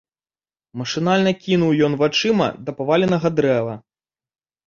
Машынальна кінуў ён вачыма да паваленага дрэва.